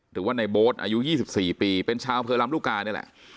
หรือว่าในโบ๊ทอายุ๒๔ปีเป็นชาวอำเภอลำลูกกานี่แหละ